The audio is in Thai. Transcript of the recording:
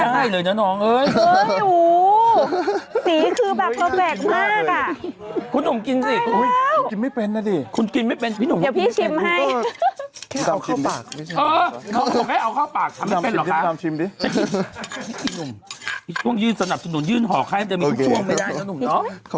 หนูไม่ได้เอาข้าวปากทำไมไม่เป็นเหรอคะ